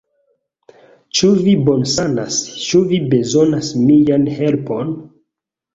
Ĉu vi bonsanas? Ĉu vi bezonas mian helpon?